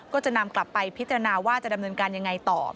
ก็จะนำกลับไปพิจารณาว่าจะดำเนินการยังไงต่อ